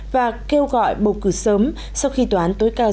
và kêu gọi bầu cử sớm sau khi toán tổ chức